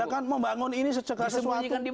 ya kan membangun ini secegah sesuatu